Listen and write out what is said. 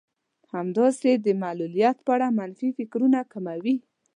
همداسې د معلوليت په اړه منفي فکرونه کموي.